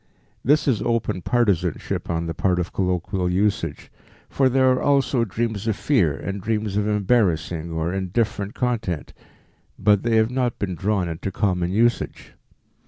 This is open partisanship on the part of colloquial usage. For there are also dreams of fear and dreams of embarrassing or indifferent content, but they have not been drawn into common usage.